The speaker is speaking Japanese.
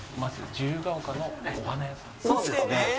そうですね。